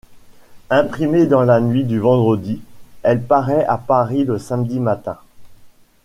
Imprimée dans la nuit du vendredi, elle paraît à Paris le samedi matin.